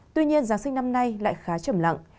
tuy nhiên giáng sinh năm nay lại khá chậm lặng